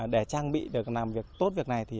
để trang bị được làm việc tốt việc này